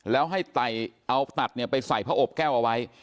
แล้วให้ไต่เอาตัดไปใส่พระอบแก้วเอาไว้